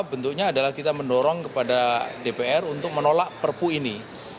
bentuknya adalah kita mendorong kepada dpr untuk menolak perpu ini